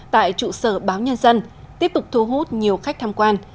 tại trụ sở báo nhân dân tiếp tục thu hút nhiều khách tham quan